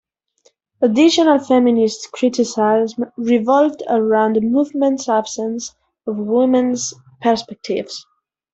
Additional feminist criticism revolved around the movement's absence of women's perspectives.